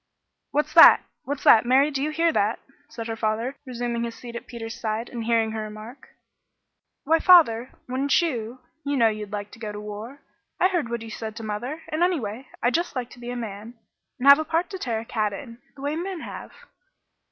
"What's that? What's that? Mary, do you hear that?" said her father, resuming his seat at Peter's side, and hearing her remark. "Why, father, wouldn't you? You know you'd like to go to war. I heard what you said to mother, and, anyway I'd just like to be a man and 'Have a part to tear a cat in,' the way men have."